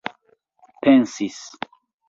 pensis